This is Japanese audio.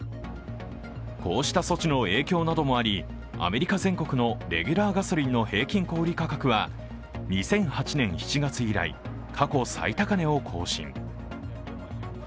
こうした措置の影響などもありアメリカ全国のレギュラーガソリンの平均小売価格は２００８年７月以来過去最高値を更新。